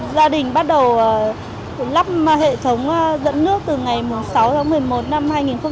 gia đình bắt đầu lắp hệ thống dẫn nước từ ngày sáu tháng một mươi một năm hai nghìn một mươi chín